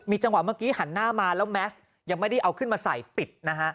จังหวะเมื่อกี้หันหน้ามาแล้วแมสยังไม่ได้เอาขึ้นมาใส่ปิดนะฮะ